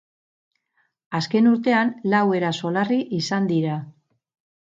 Azken urtean, lau eraso larri izan dira.